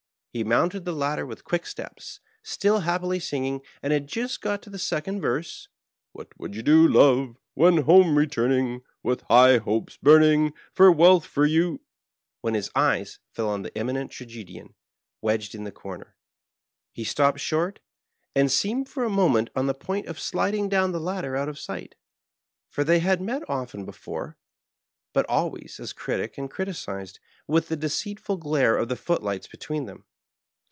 He mounted the ladder with quick steps, still happily singing, and had just got to the second verse — What would you do, love, when home returning, With hopes high burning, with wealth for you — when his eye fell on the Eminent Tragedian wedged in the comer. He stopped short, and seemed for a moment Digitized by VjOOQIC ON BOASD THE ^BAVARIA.'' 7 on the point of slicMng down the ladder ont of eight ; for they had met often before, bat always as Critic and criti dised, with th0 deceitful glare of the f ootlighta between them.